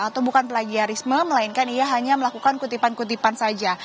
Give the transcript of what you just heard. atau bukan plagiarisme melainkan ia hanya melakukan kutipan kutipan saja